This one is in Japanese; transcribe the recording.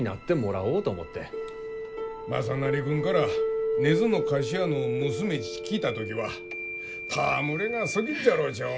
雅修君から根津の菓子屋の娘ち聞いた時は戯れがすぎっじゃろうち思ったが。